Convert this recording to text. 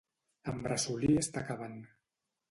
En Bressolí està acabant.